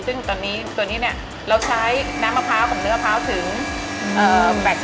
ซึ่งตอนนี้ตัวนี้เนี่ยเราใช้น้ำมะพร้าวของเนื้อมะพร้าวถึง๘๐